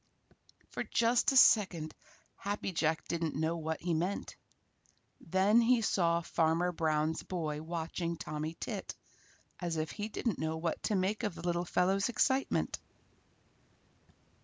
For just a second Happy Jack didn't know what he meant. Then he saw Farmer Brown's boy watching Tommy Tit as if he didn't know what to make of the little fellow's excitement.